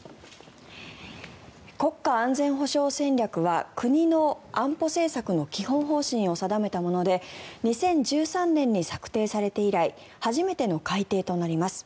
国家安全保障戦略は国の安保政策の基本方針を定めたもので２０１３年に策定されて以来初めての改定となります。